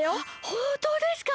ほんとうですか！？